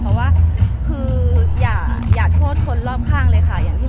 แม็กซ์ก็คือหนักที่สุดในชีวิตเลยจริง